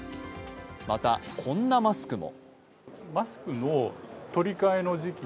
またこんなマスクも。